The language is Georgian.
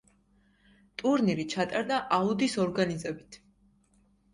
ტურნირი ჩატარდა აუდის ორგანიზებით.